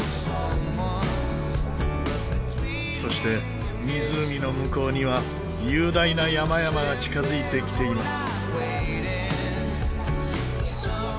そして湖の向こうには雄大な山々が近づいてきています。